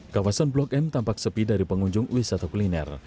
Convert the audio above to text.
kawasan blok m tampak sepi dari pengunjung wisata kuliner